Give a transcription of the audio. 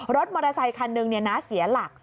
มอเตอร์ไซคันหนึ่งเสียหลัก